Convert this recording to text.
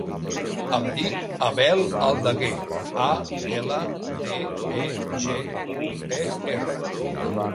Em dic Abel Aldeguer: a, ela, de, e, ge, u, e, erra.